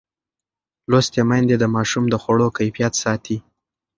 لوستې میندې د ماشوم د خوړو کیفیت ساتي.